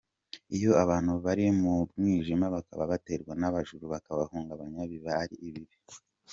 Iyo abantu bari mu mwijima bakaba baterwa n’abajura bakabahungabanya biba ari bibi.